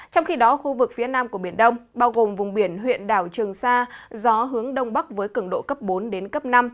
trong khi đó khu vực phía nam của biển đông bao gồm vùng biển huyện đảo trường sa gió hướng đông bắc với cường độ cấp bốn đến cấp năm